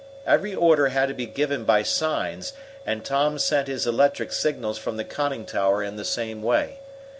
Every order had to be given by signs, and Tom sent his electric signals from the conning tower in the same way.